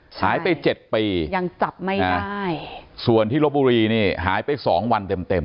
หายไปเจ็ดปียังจับไม่ได้ส่วนที่ลบบุรีนี่หายไปสองวันเต็มเต็ม